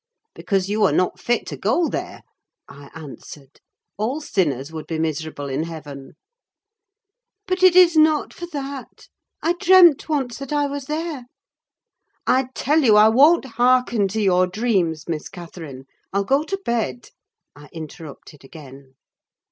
"Because you are not fit to go there," I answered. "All sinners would be miserable in heaven." "But it is not for that. I dreamt once that I was there." "I tell you I won't hearken to your dreams, Miss Catherine! I'll go to bed," I interrupted again.